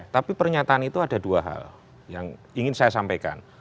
tapi pernyataan itu ada dua hal yang ingin saya sampaikan